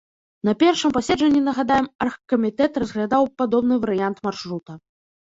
На першым паседжанні, нагадаем, аргкамітэт разглядаў падобны варыянт маршрута.